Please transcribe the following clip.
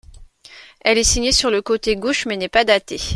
Elle est signée sur le côté gauche mais n'est pas datée.